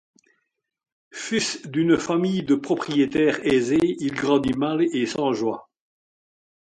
Fils d'une famille de propriétaires aisés, il grandit mal et sans joie.